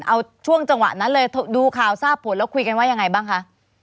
เอาช่วงจังหวะนั้นเลยดูข่าวทราบผลแล้วคุยกันว่ายังไงบ้างคะ